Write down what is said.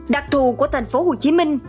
đặc thù của thành phố hồ chí minh